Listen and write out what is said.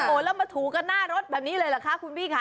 โอ้โหแล้วมาถูกันหน้ารถแบบนี้เลยเหรอคะคุณพี่ค่ะ